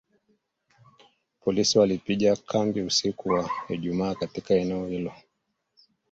Polisi walipiga kambi usiku wa Ijumaa katika eneo hilo